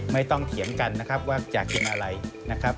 ไม่ต้องเถียมกันนะครับว่าจะกินอะไรนะครับ